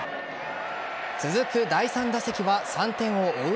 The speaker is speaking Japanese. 続く第３打席は、３点を追う